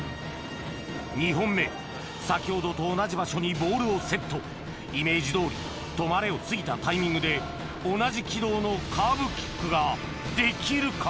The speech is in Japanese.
２本目先ほどと同じ場所にボールをセットイメージどおり「止まれ」を過ぎたタイミングで同じ軌道のカーブキックができるか？